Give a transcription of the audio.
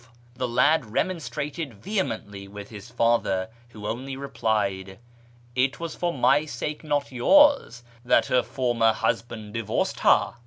The lad remon strated vehemently with his fiither, who only replied, " It was for my sake, not yours, that her former husband divorced her."